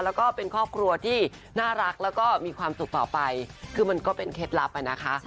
แล้วก็เป็นครอบครัวที่น่ารักแล้วก็มีความสุขต่อไปคือมันก็เป็นเคล็ดลับอ่ะนะคะ